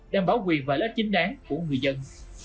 đảm bảo quyền và lợi ích chính đáng của người dân